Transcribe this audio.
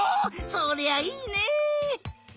そりゃあいいね！